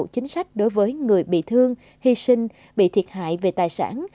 chính sách đối với người bị thương hy sinh bị thiệt hại về tài sản